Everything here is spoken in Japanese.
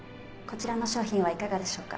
こちらの商品はいかがでしょうか。